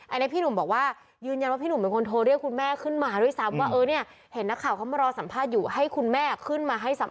อันนี้พี่หนุ่มบอกว่ายืนยันว่าพี่หนุ่มเป็นคนโทรเรียกคุณแม่ขึ้นมาด้วยซ้ำ